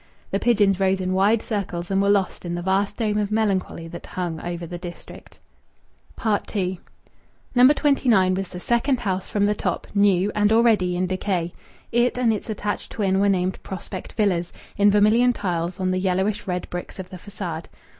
The pigeons rose in wide circles and were lost in the vast dome of melancholy that hung over the district. II No. 29 was the second house from the top, new, and already in decay. It and its attached twin were named "Prospect Villas" in vermilion tiles on the yellowish red bricks of the façade.